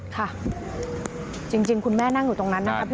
ค่ะจริงคุณแม่นั่งอยู่ตรงนั้นนะครับ